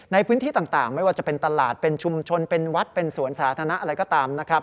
ในพื้นที่ต่างไม่ว่าจะเป็นตลาดเป็นชุมชนเป็นวัดเป็นสวนสาธารณะอะไรก็ตามนะครับ